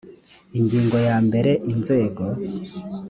ingingo ya mbere inzego